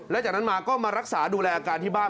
และจากนั้นมาก็มารักษาดูแลอาการที่บ้าน